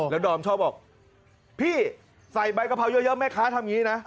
แล้วดอมชอบบอกพี่ใส่ใบกะเพราเยอะแม่ค้าทำอย่างนี้นะ